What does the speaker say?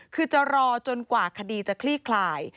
คือจะรอจนกว่าคดีจะคลี่คลาย